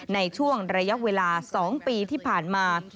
ในช่วงระยะเวลา๒ปีที่ผ่านมา